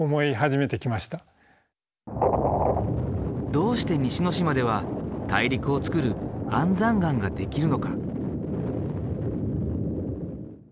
どうして西之島では大陸をつくる安山岩ができるのか？